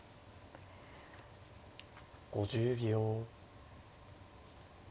５０秒。